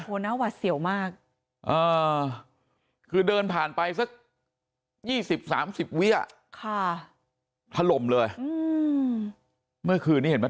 โหนะวัดเสี่ยวมากคือเดินผ่านไปสัก๒๐๓๐วินาทีถล่มเลยเมื่อคืนนี้เห็นมั้ย